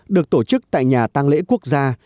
được tổ chức tại nhà tàng lễ quốc gia